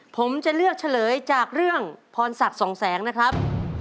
ผมจะเลือกเฉลยจากเรื่องพรศักดิ์สองแสงนะครับ